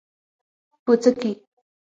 🍄🟫 پوڅکي